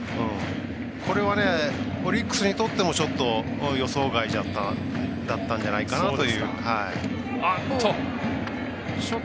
これは、オリックスにとってもちょっと予想外だったんじゃないかなと思います。